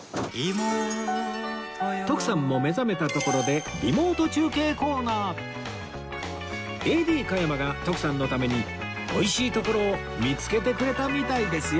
徳さんも目覚めたところでＡＤ 加山が徳さんのために美味しいところを見つけてくれたみたいですよ